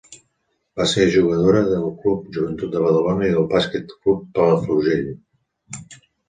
Va ser jugadora del Club Joventut de Badalona i del Bàsquet Club Palafrugell.